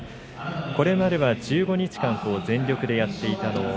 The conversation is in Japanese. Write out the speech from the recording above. これまでは、１５日間、全力でやっていたと。